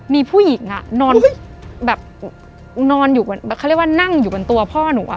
มีผู้หญิงอะนอนอยู่บนเขาเรียกว่านั่งอยู่บนตัวพ่อหนูอะ